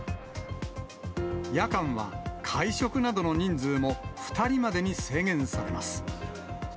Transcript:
夜間は会食などの人数も２人までに制限されます。